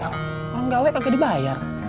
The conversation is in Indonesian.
orang gawe kakek dibayar